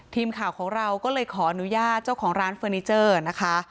ทีมข่าวของเราก็เลยขออนุญาตเจ้าของร้านเฟอร์นิเจอร์นะคะ